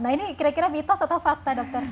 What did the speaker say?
nah ini kira kira mitos atau fakta dokter